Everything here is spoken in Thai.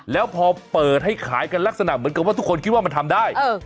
แล้วพอเปิดให้ขายกันลักษณะเหมือนกับว่าทุกคนคิดว่ามันทำได้